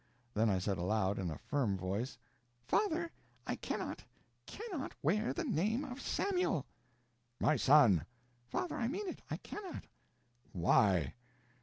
Then I said aloud, in a firm voice: "Father, I cannot, cannot wear the name of Samuel." "My son!" "Father, I mean it. I cannot." "Why?"